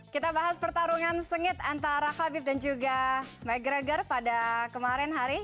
kita bahas pertarungan sengit antara habib dan juga mcgregor pada kemarin hari